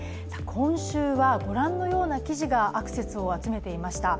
今週はご覧のような記事がアクセスを集めていました。